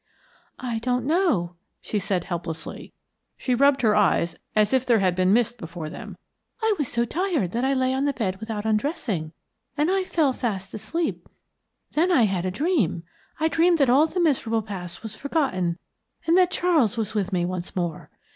"I don't know," she said, helplessly. She rubbed her eyes as if there had been mist before them. "I was so tired that I lay on the bed without undressing, and I fell fast asleep. Then I had a dream. I dreamed that all the miserable past was forgotten, and that Charles was with me once more.